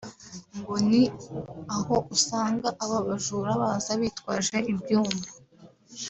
ngo ni aho usanga aba bajura baza bitwaje ibyuma